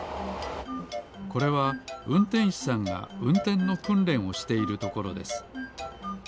これはうんてんしさんがうんてんのくんれんをしているところです。